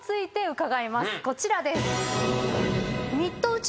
こちらです。